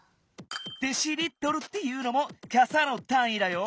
「デシリットル」っていうのもかさのたんいだよ。